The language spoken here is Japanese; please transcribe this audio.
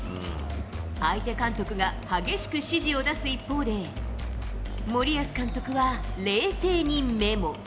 相手監督が激しく指示を出す一方で、森保監督は冷静にメモ。